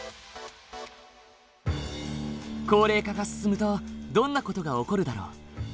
高齢化が進むとどんな事が起こるだろう？